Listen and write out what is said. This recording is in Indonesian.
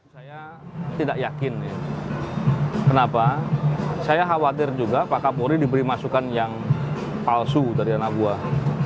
saya tidak yakin kenapa saya khawatir juga pak kapolri diberi masukan yang palsu dari anak buah